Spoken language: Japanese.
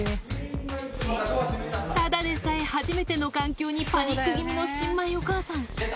ただでさえ初めての環境にパニック気味の新米お母さん。